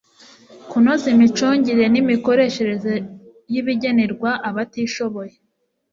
kunoza imicungire n'imikoreshereze y'ibigenerwa abatishoboye